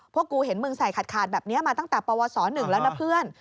พวกกูเห็นมึงใส่ขาดแบบนี้มาตั้งแต่ปวส๑แล้วนะเพื่อน